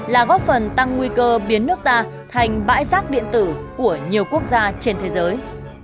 là góp phần tăng nguy cơ biến nước ta thành bãi rác điện tử của nhiều quốc gia trên thế giới